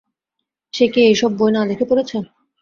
সে কি এই সব বই না দেখে পড়েছে?